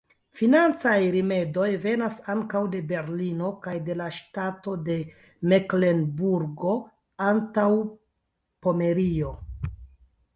Financaj rimedoj venas ankaŭ de Berlino kaj de la ŝtato de Meklenburgo-Antaŭpomerio.